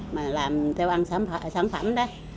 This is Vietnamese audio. mà làm theo ăn sản phẩm